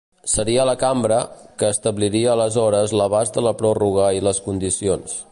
Seria la cambra, que establiria aleshores l’abast de la pròrroga i les condicions.